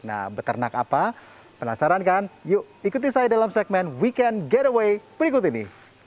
nah berternak apa penasaran kan yuk ikuti saya dalam segmen we can get away berikut ini